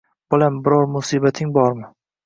Bolam, biror musibating bormi